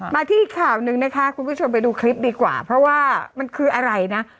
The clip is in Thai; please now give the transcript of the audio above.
มาที่อีกข่าวหนึ่งนะคะคุณผู้ชมไปดูคลิปดีกว่าเพราะว่ามันคืออะไรนะ